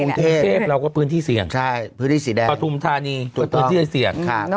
กรุงเทพฯเราก็พื้นที่เศี่ยงประธุมธานีก็พื้นที่เศี่ยง